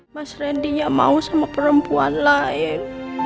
mas rendy yang mau sama perempuan lain